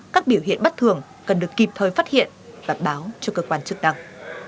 các biểu hiện bắt thường cần được kịp thời phát hiện và báo cho cơ quan chức đẳng